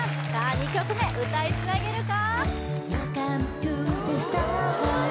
２曲目歌いつなげるか？